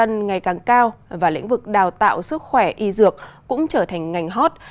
nhiều người dân ngày càng cao và lĩnh vực đào tạo sức khỏe y dược cũng trở thành ngành hot